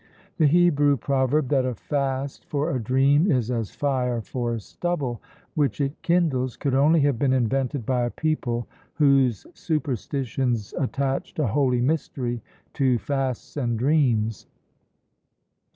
The Hebrew proverb that "A fast for a dream, is as fire for stubble," which it kindles, could only have been invented by a people whose superstitions attached a holy mystery to fasts and dreams.